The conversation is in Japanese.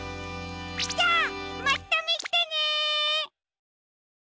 じゃあまたみてね！